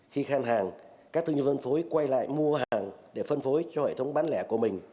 khi khăn hàng các tư nhân phân phối quay lại mua hàng để phân phối cho hệ thống bán lẻ của mình